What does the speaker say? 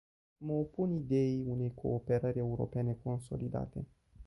Mă opun ideii unei cooperări europene consolidate.